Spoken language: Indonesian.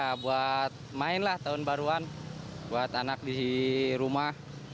ya buat main lah tahun baruan buat anak di rumah